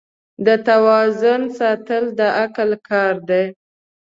د توازن ساتل د عقل کار دی.